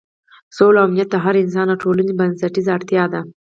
سوله او امنیت د هر انسان او ټولنې بنسټیزه اړتیا ده.